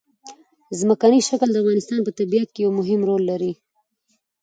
ځمکنی شکل د افغانستان په طبیعت کې یو مهم رول لري.